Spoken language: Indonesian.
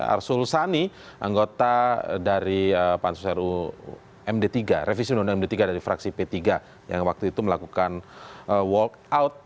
arsul sani anggota dari pansus ru md tiga revisi undang undang md tiga dari fraksi p tiga yang waktu itu melakukan walk out